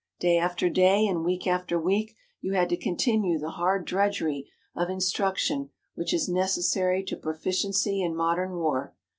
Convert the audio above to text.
"Day after day and week after week you had to continue the hard drudgery of instruction which is necessary to proficiency in modern war.